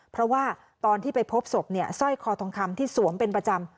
เพราะว่าตอนที่ไปพบศพเนี่ยสร้อยคอทองคำที่สวมเป็นประจำ